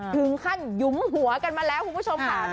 ถึงขั้นหยุมหัวกันมาแล้วคุณผู้ชมค่ะ